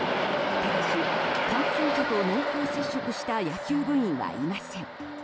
ただし、感染者と濃厚接触した野球部員はいません。